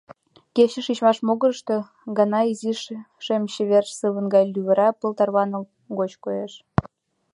Кече шичмаш могырышто гана изиш шем чевер сывын гай лӱвыра пыл тарваныл гыч коеш.